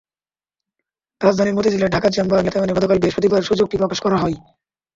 রাজধানীর মতিঝিলে ঢাকা চেম্বার মিলনায়তনে গতকাল বৃহস্পতিবার সূচকটি প্রকাশ করা হয়।